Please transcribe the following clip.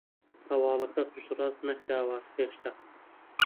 هەواڵەکە پشتڕاست نەکراوە هێشتا